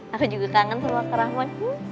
aku juga kangen sama kerahmo